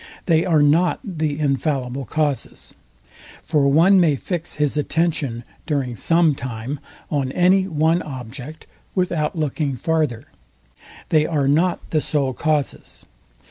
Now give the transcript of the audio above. They are not the infallible causes. For one may fix his attention during Sometime on any one object without looking farther. They are not the sole causes.